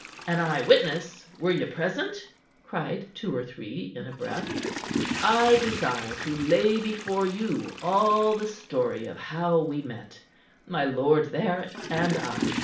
"An eye witness? Were ye present?" cried two or three in a breath. "I desire to lay before you all the story of how we met my lord there and I.